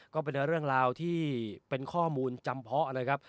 ก็เป็นเรื่องราวที่เป็นข้อมูลจำเพาะเลยครับ